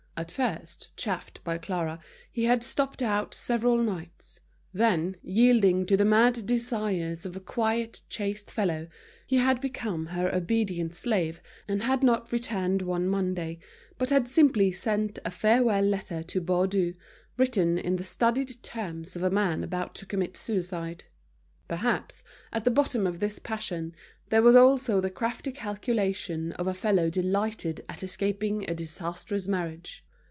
At first, chaffed by Clara, he had stopped out several nights; then, yielding to the mad desires of a quiet, chaste fellow, he had become her obedient slave, and had not returned one Monday, but had simply sent a farewell letter to Baudu, written in the studied terms of a man about to commit suicide. Perhaps, at the bottom of this passion, there was also the crafty calculation of a fellow delighted at escaping a disastrous marriage.